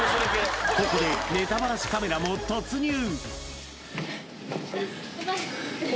ここでネタバラシカメラも突入